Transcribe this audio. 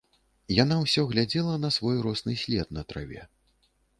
Яна ўсё глядзела на свой росны след на траве.